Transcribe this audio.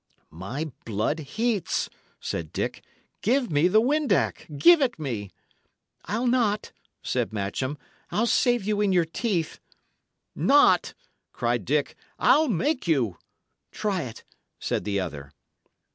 "My blood heats," said Dick. "Give me the windac! Give it me!" "I'll not," said Matcham. "I'll save you in your teeth." "Not?" cried Dick. "I'll make you!" "Try it," said the other.